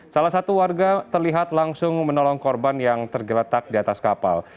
salah satu warga terlihat langsung menolong korban yang tergeletak di atas kapal